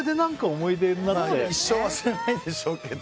一生忘れないでしょうけど。